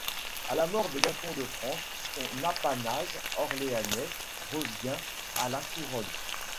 À la mort de Gaston de France, son apanage orléanais revient à la Couronne.